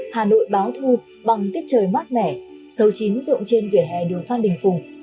hà nội báo thu bằng tiết trời mát mẻ xấu chín rộn trên vỉa hè đường phan đình phùng